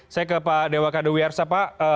saya ke pak dewa kdwr pak